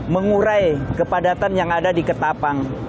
mengurai kepadatan yang ada di ketapang